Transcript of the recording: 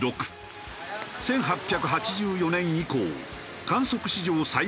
１８８４年以降観測史上最大となった。